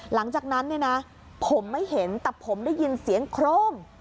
หลังจากนั้นเนี่ยนะผมไม่เห็นแต่ผมได้ยินเสียงโครม